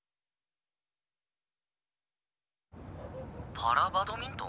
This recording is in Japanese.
パラバドミントン？